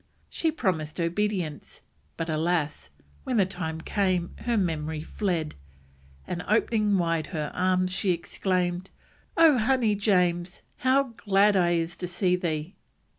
She promised obedience, but, alas, when the time came her memory fled, and opening wide her arms, she exclaimed: "O honey James! How glad I is to see thee!"